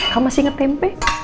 kamu masih ngetempe